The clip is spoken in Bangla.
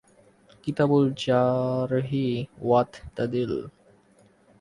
কিতাবুল জারহি ওয়াত তা'দীল